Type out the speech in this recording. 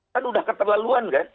kan udah keterlaluan kan